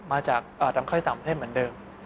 มาจากดำเข้าจากต่างประเทศเหมือนเดิม